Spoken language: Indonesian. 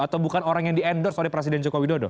atau bukan orang yang di endorse oleh presiden joko widodo